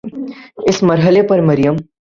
اس مرحلے پر مریم